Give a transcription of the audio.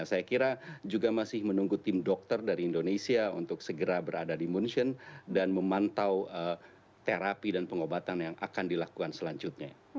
saya kira juga masih menunggu tim dokter dari indonesia untuk segera berada di munchen dan memantau terapi dan pengobatan yang akan dilakukan selanjutnya